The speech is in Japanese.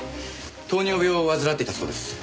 糖尿病を患っていたそうです。